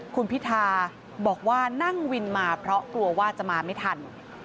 คุณพิธาบอกว่านั่งวินมาเพราะกลัวว่าจะมาไม่ทัน